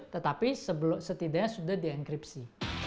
tetapi setidaknya sudah di enkripsi